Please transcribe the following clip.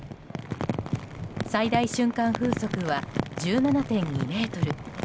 最大瞬間風速は１７．２メートル。